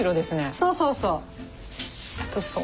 そうそうそう。